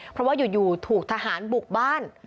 เพราะว่าอยู่ถูกทหารบุกบ้าน